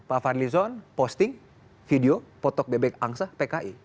pak fadlizon posting video potok bebek angsa pki